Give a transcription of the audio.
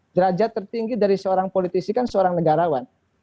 derajat tertinggi dari seorang politisi kan seorang negarawan